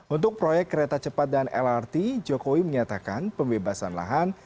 untuk proyek kereta cepat dan lrt jokowi menyatakan pembebasan lahan